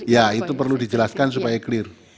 ya itu perlu dijelaskan supaya clear